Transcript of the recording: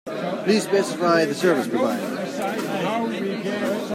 Please specify the service provider.